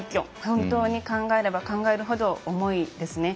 本当に考えれば考えるほど重いですね。